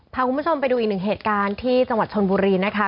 พาคุณผู้ชมไปดูอีกหนึ่งเหตุการณ์ที่จังหวัดชนบุรีนะคะ